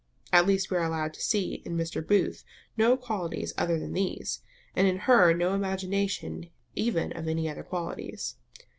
At least we are allowed to see in Mr. Booth no qualities other than these, and in her no imagination even of any other qualities.